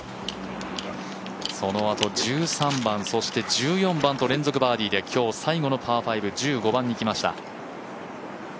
そのあと１３番、そして１４番と連続バーディーで今日最後のパー５、１５番に来ました。